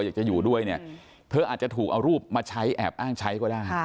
อยากจะอยู่ด้วยเนี่ยเธออาจจะถูกเอารูปมาใช้แอบอ้างใช้ก็ได้